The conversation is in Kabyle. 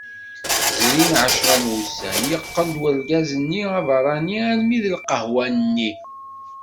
Zrin ɛecra n wussan, yeqqel-d urgaz-nni aberrani almi d lqahwa-nni.